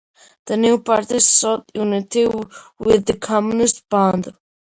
The new party sought unity with the Communist Bund.